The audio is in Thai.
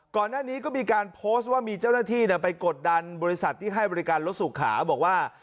ก่อนหน้านี้ก็มีการโพสต์ว่ามีเจ้าหน้าที่ไปกดดันบริษัทที่ให้บริการรถสุขาบอกว่า